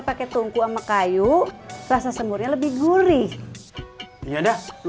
pakai tungkuan banyak yuy rasa semoga lebih gurih iya dah ambilin